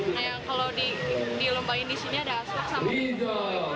kayak kalau dilombakin di sini ada aspek sama